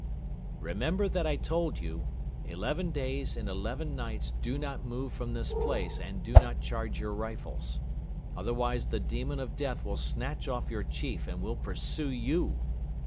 "Remember that I told you: 'Eleven days and eleven nights do not move from this place and do not charge your rifles.' Otherwise the demon of death will snatch off your Chief and will pursue you!"